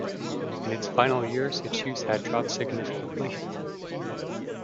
In its final years its use had dropped significantly.